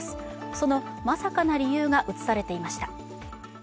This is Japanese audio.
その、まさかな理由が映されていました。